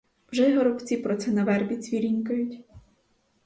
Вже й горобці про це на вербі цвірінькають.